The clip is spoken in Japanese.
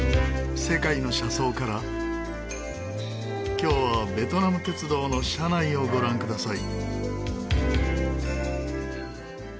今日はベトナム鉄道の車内をご覧ください。